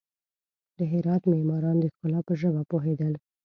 د هرات معماران د ښکلا په ژبه پوهېدل.